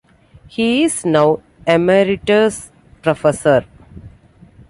He is now Emeritus Professor.